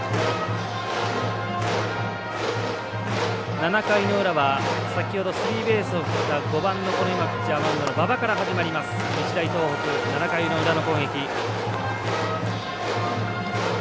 ７回の裏は先ほどスリーベースのヒットを打った５番のピッチャーの馬場から始まります、日大東北７回の裏の攻撃。